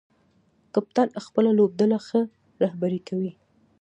کپتان خپله لوبډله ښه رهبري کوي.